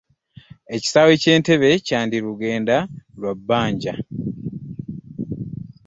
Ekisaawe ky'entebe kyandirugenda lwa banjja.